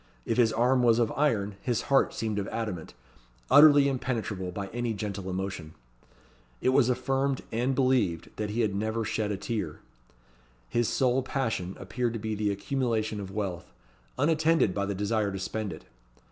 If his arm was of iron, his heart seemed of adamant, utterly impenetrable by any gentle emotion. It was affirmed, and believed, that he had never shed a tear. His sole passion appeared to be the accumulation of wealth; unattended by the desire to spend it.